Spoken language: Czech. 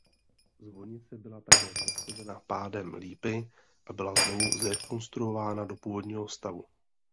Zvonice byla také poškozena pádem lípy a byla znovu zrekonstruována do původního stavu.